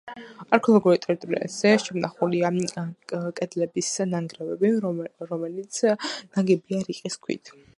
არქეოლოგიურ ტერიტორიაზე შემონახულია კედლების ნანგრევები, რომელიც ნაგებია რიყის ქვით.